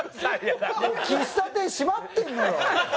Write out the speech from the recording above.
喫茶店閉まってるのよ。